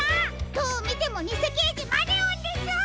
どうみてもにせけいじマネオンです！